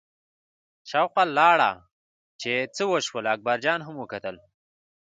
شاوخوا لاړه چې څه وشول، اکبرجان هم وکتل.